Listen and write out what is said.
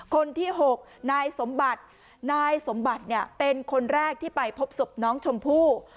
คนที่๖นายสมบัตินายสมบัติเนี่ยเป็นคนแรกที่ไปพบศพน้องชมพู่